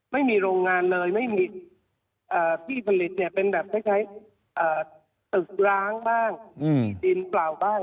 ไม่มีโรงงานเลยไม่มีที่ผลิตเนี่ยเป็นแบบคล้ายตึกร้างบ้างที่ดินเปล่าบ้าง